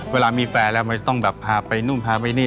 เวลามีแฟนแล้วไม่ต้องแบบพาไปนู่นพาไปนี่